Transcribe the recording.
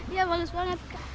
iya bagus banget